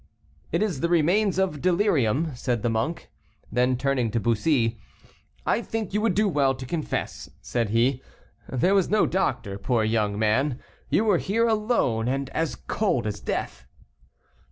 "It is the remains of delirium," said the monk. Then, turning to Bussy, "I think you would do well to confess," said he, "there was no doctor, poor young man; you were here alone, and as cold as death."